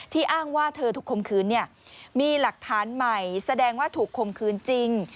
อ้างว่าเธอถูกคมคืนมีหลักฐานใหม่แสดงว่าถูกคมคืนจริง